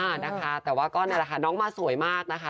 นะคะแต่ว่าก็นี่แหละค่ะน้องมาสวยมากนะคะ